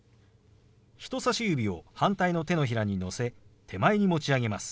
人さし指を反対の手のひらにのせ手前に持ち上げます。